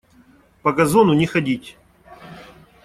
По газону не ходить!